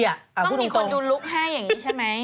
ต้องมีคนดูลุคให้อย่างนี้ใช่ไหม